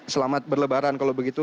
selamat berlebaran kalau begitu